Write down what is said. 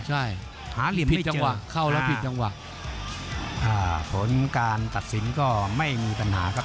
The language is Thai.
ใช่ผลการตัดสินก็ไม่มีปัญหาครับ